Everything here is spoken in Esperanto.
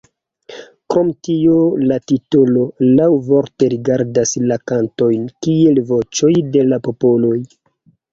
Krom tio la titolo laŭvorte rigardas la kantojn kiel voĉoj de la popoloj.